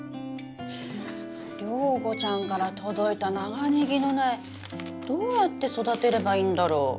良子ちゃんから届いた長ネギの苗どうやって育てればいいんだろう。